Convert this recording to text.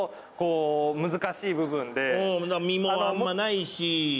身もあんまりないし。